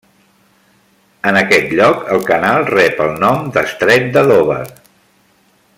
En aquest lloc el canal rep el nom d'estret de Dover.